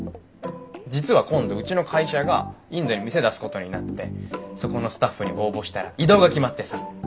実は今度うちの会社がインドに店出すことになってそこのスタッフに応募したら異動が決まってさ。